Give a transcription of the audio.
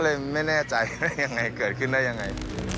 เลยไม่แน่ใจว่ายังไงเกิดขึ้นได้ยังไง